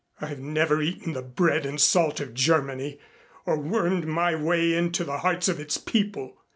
"I have never eaten the bread and salt of Germany, or wormed my way into the hearts of its people."